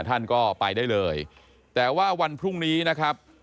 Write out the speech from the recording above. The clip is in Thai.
ท่านก็ไปได้เลยแต่ว่าวันพรุ่งนี้นะครับ